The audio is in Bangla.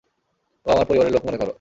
ও আমার পরিবারের লোক মনে করো।